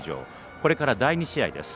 これから第２試合です。